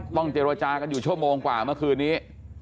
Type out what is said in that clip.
เจรจากันอยู่ชั่วโมงกว่าเมื่อคืนนี้